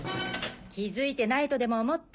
気付いてないとでも思った？